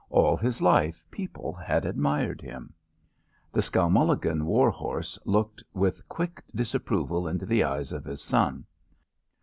All his life people had admired him. The Skowmulligan war horse looked with quick disapproval into the eyes of his son.